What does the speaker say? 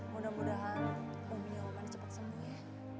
mudah mudahan umi yang umpan cepat sembuh ya